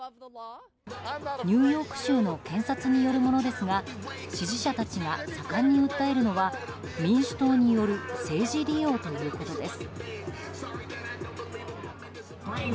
ニューヨーク州の検察によるものですが支持者たちが盛んに訴えるのは民主党による政治利用ということです。